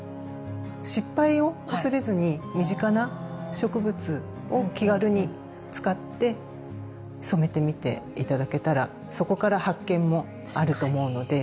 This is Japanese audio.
失敗を恐れずに身近な植物を気軽に使って染めてみて頂けたらそこから発見もあると思うので。